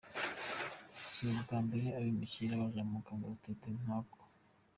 Si ubwa mbere abimukira baja mu kangaratete nkako.